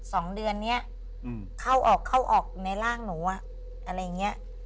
สองเดือนนี้เข้าออกเข้าออกในร่างหนูอะไรอย่างนี้